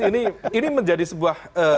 ini ini menjadi sebuah